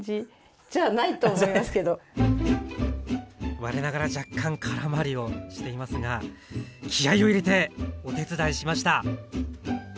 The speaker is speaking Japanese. なんかね我ながら若干空回りをしていますが気合を入れてお手伝いしました！